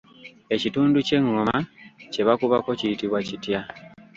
Ekitundu ky’engoma kye bakubako kiyitibwa kitya?